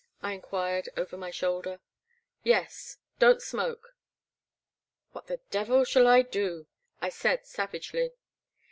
" I enquired over my shoulder. "Yes— don't smoke." What the devil shall I do ?" I said, savagely.